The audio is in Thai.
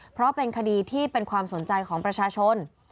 เพราะเป็นคดีที่เป็นความสนใจของประชาชน